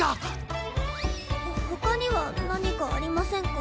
他には何かありませんか？